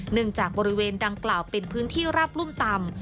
จากบริเวณดังกล่าวเป็นพื้นที่ราบรุ่มต่ำ